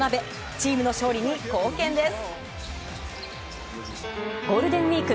チームの勝利に貢献です。